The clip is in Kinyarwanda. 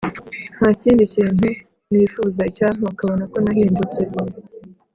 ntakindi kintu nifuza icyampa ukabona ko nahindutse